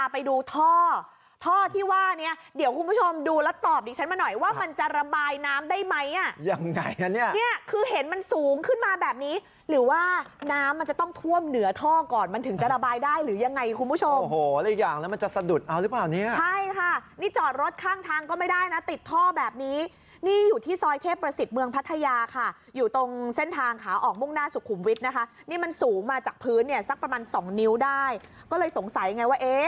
ไปดูท่อท่อที่ว่าเนี่ยเดี๋ยวคุณผู้ชมดูแล้วตอบดิฉันมาหน่อยว่ามันจะระบายน้ำได้ไหมอ่ะยังไงอ่ะเนี่ยคือเห็นมันสูงขึ้นมาแบบนี้หรือว่าน้ำมันจะต้องท่วมเหนือท่อก่อนมันถึงจะระบายได้หรือยังไงคุณผู้ชมโอ้โหอะไรอย่างแล้วมันจะสะดุดเอาหรือเปล่าเนี่ยใช่ค่ะนี่จอดรถข้างทางก็ไม่ได้นะติดท่อแ